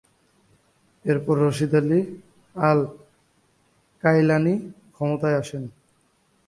এরপর Rashid Ali al Gaylani ক্ষমতায় আসেন।